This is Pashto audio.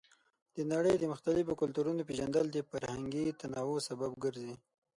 د نړۍ د مختلفو کلتورونو پیژندل د فرهنګي تنوع سبب ګرځي.